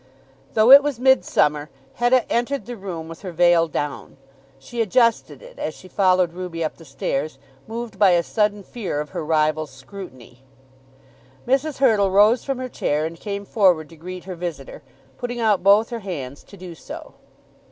Though it was midsummer Hetta entered the room with her veil down. She adjusted it as she followed Ruby up the stairs, moved by a sudden fear of her rival's scrutiny. Mrs. Hurtle rose from her chair and came forward to greet her visitor, putting out both her hands to do so.